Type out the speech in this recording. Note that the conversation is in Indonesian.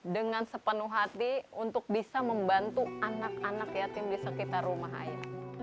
dengan sepenuh hati untuk bisa membantu anak anak yatim di sekitar rumah air